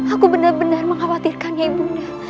aku benar benar mengkhawatirkannya ibu